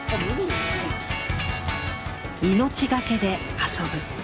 「命がけで遊ぶ」